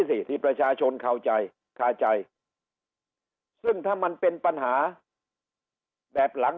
สิที่ประชาชนเข้าใจคาใจซึ่งถ้ามันเป็นปัญหาแบบหลัง